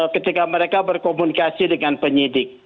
ketika mereka berkomunikasi dengan penyidik